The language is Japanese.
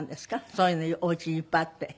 そういうのおうちにいっぱいあって。